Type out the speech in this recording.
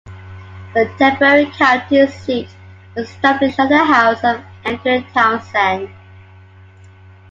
The temporary county seat was established at the house of Andrew Townsend.